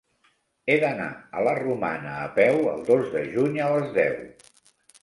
He d'anar a la Romana a peu el dos de juny a les deu.